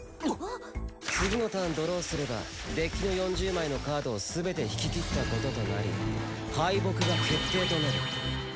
次のターンドローすればデッキの４０枚のカードをすべて引き切ったこととなり敗北が決定となる。